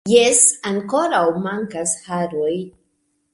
Jes, ankoraŭ mankas haroj